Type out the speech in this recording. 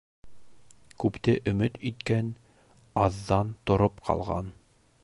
Күпте өмөт иткән аҙҙан тороп ҡалған.